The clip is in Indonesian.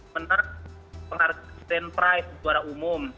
menang pengaruh stand price suara umum